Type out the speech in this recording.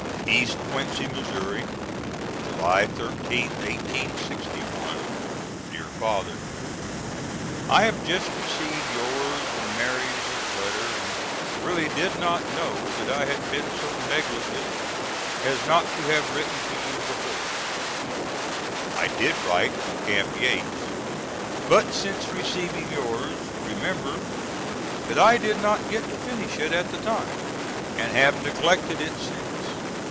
] East Quincy, Mo., July 13th, 1861. DEAR FATHER: I have just received yours and Mary's letters and really did not know that I had been so negligent as not to have written to you before. I did write from Camp Yates, but since receiving yours remember that I did not get to finish it at the time, and have neglected it since.